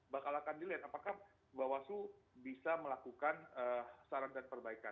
bakal akan dilihat apakah bawaslu bisa melakukan saran dan perbaikan